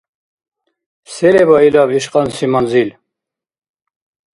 Се леба илаб иш кьанси манзил?